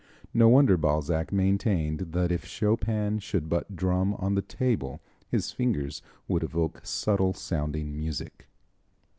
No wonder Balzac maintained that if Chopin should but drum on the table his fingers would evoke subtle sounding music.